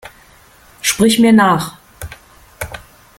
Sprich mir nach!